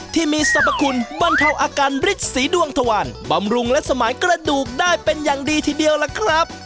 ที่มีสรรพคุณบรรเทาอาการฤทธิสีดวงทวันบำรุงและสมานกระดูกได้เป็นอย่างดีทีเดียวล่ะครับ